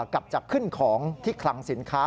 กลับจากขึ้นของที่คลังสินค้า